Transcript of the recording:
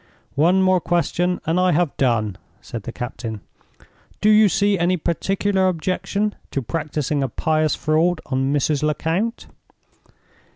"One more question and I have done," said the captain. "Do you see any particular objection to practicing a pious fraud on Mrs. Lecount?"